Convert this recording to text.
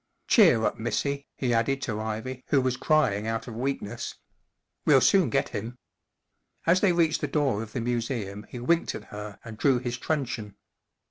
Cheer up, missy," he added to Ivy, who was crying out of weakness. 44 We’ll soon get him." As they reached the door of the museum he winked at her and drew his truncheon.